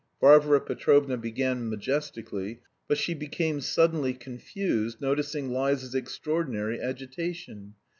Varvara Petrovna began majestically, but she became suddenly confused, noticing Liza's extraordinary agitation.